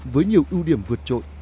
với nhiều ưu điểm vượt trội